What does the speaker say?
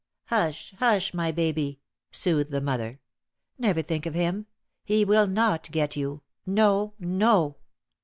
"Hush, hush, my baby!" soothed the mother. "Never think of him. He will not get you. No, no."